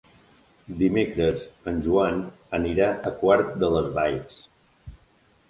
Dimecres en Joan anirà a Quart de les Valls.